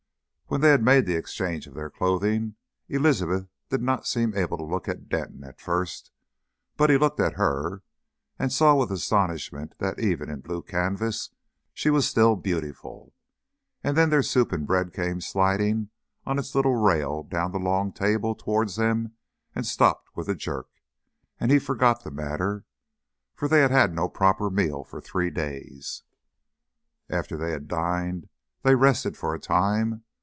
When they had made the exchange of their clothing Elizabeth did not seem able to look at Denton at first; but he looked at her, and saw with astonishment that even in blue canvas she was still beautiful. And then their soup and bread came sliding on its little rail down the long table towards them and stopped with a jerk, and he forgot the matter. For they had had no proper meal for three days. After they had dined they rested for a time.